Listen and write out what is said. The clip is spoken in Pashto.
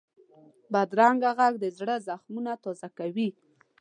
بدرنګه غږ د زړه زخمونه تازه کوي